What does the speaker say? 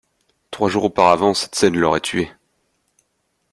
Trois jours auparavant, cette scène l'aurait tué.